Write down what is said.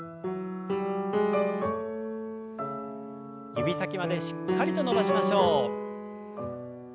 指先までしっかりと伸ばしましょう。